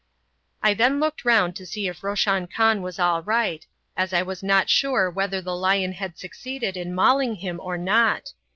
I then looked round to see if Roshan Khan was all right, as I was not sure whether the lion had succeeded in mauling him or not.